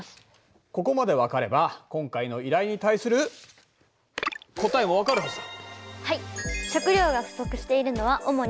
ここまで分かれば今回の依頼に対する答えも分かるはずだ。